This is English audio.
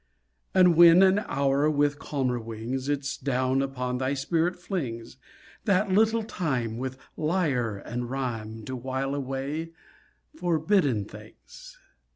And when an hour with calmer wings Its down upon thy spirit flings— That little time with lyre and rhyme To while away—forbidden things!